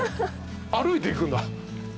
歩いていくんだ。